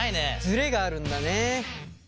ズレがあるんだね。